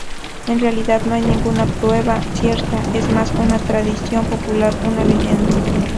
En realidad no hay ninguna prueba cierta, es más una tradición popular, una leyenda.